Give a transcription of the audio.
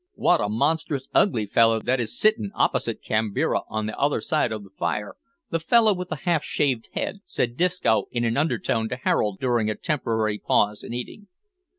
"Wot a most monstrous ugly feller that is sittin' opposite Kambira, on the other side o' the fire the feller with the half shaved head," said Disco in an undertone to Harold during a temporary pause in eating.